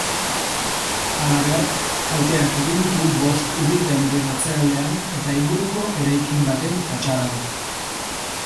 Halaber, kalteak egin ditu bost ibilgailuren atzealdean eta inguruko eraikin baten fatxadan.